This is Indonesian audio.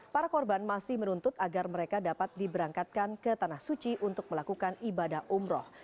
para korban masih menuntut agar mereka dapat diberangkatkan ke tanah suci untuk melakukan ibadah umroh